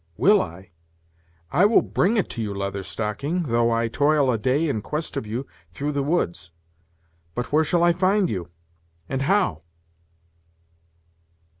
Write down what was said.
"Will I? I will bring it to you, Leather Stocking, though I toil a day in quest of you through the woods. But where shall I find you, and how?"